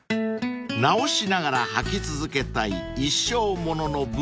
［直しながら履き続けたい一生もののブーツ］